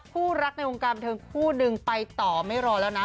ผู้รักในวงการประเทศผู้หนึ่งไปต่อไม่รอแล้วนะ